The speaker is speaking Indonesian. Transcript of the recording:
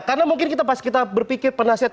karena mungkin pas kita berpikir penasihat